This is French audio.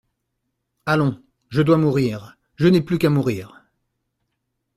Allons, je dois mourir, je n'ai plus qu'à mourir.